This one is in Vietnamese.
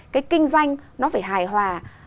cái kinh doanh nó phải hài hòa